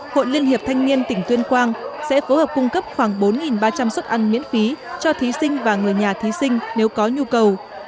hội liên hiệp thanh niên tỉnh tuyên quang sẽ phối hợp cung cấp khoảng bốn ba trăm linh suất ăn miễn phí cho thí sinh và người nhà thí sinh nếu có nhu cầu